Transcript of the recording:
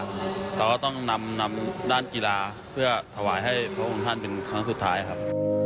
เราก็ต้องนำด้านกีฬาเพื่อถวายให้พระองค์ท่านเป็นครั้งสุดท้ายครับ